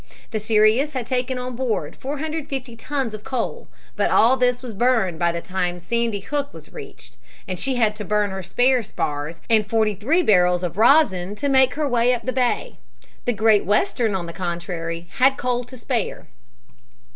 The Sirius had taken on board 450 tons of coal, but all this was burned by the time Sandy Hook was reached, and she had to burn her spare spars and forty three barrels of rosin to make her way up the bay. The Great Western, on the contrary, had coal to spare.